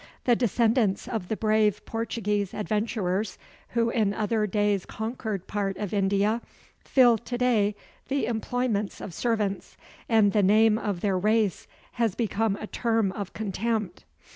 The descendants of the brave Portuguese adventurers, who in other days conquered part of India, fill to day the employments of servants, and the name of their race has become a term of contempt.